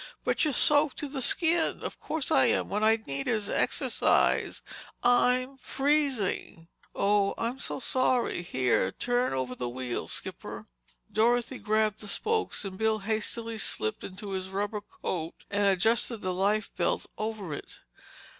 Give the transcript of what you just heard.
"But you're soaked to the skin!" "Of course I am—what I need is exercise—I'm freezing!" "Oh, I'm so sorry—here—turn over the wheel, skipper." Dorothy grabbed the spokes and Bill hastily slipped into his rubber coat and adjusted the life belt over it.